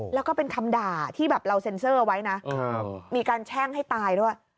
แล้วก็เป็นคำด่าที่แบบเราเซ็นเซอร์ไว้นะมีการแช่งให้ตายด้วย